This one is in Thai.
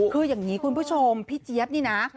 คืออย่างนี้คุณผู้ชมพี่เจี๊ยบนี่นะ